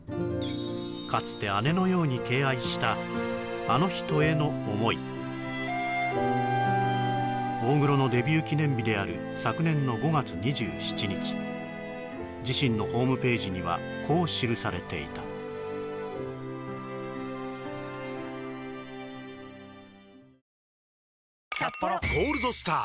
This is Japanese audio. かつて姉のように大黒のデビュー記念日である昨年の５月２７日自身のホームページにはこう記されていた「ゴールドスター」！